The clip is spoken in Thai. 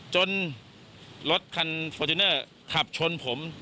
จนรถคันโฟทูเนอร์ขับชนผม